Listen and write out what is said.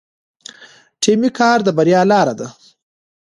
ټیمي کار د بریا لاره ده.